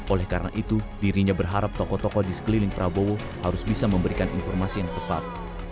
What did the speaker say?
oleh karena itu dirinya berharap tokoh tokoh di sekeliling prabowo harus bisa memberikan informasi yang tepat